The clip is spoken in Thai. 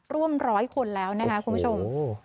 ร่วมร้อยคนแล้วนะคะคุณผู้ชม